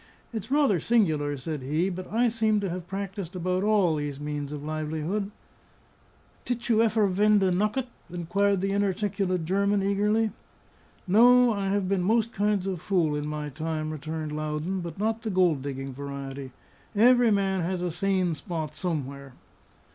"It's rather singular," said he, "but I seem to have practised about all these means of livelihood." "Tit you effer vind a nokket?" inquired the inarticulate German, eagerly. "No. I have been most kinds of fool in my time," returned Loudon, "but not the gold digging variety. Every man has a sane spot somewhere."